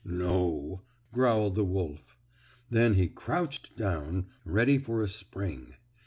"No!" growled the wolf. Then he crouched down, ready for a spring.